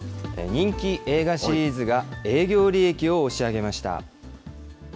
人気映画シリーズが営業利益を押し上げました。